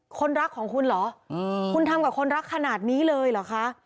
คนรักของคุณเหรอคุณทำกับคนรักขนาดนี้เลยเหรอคะ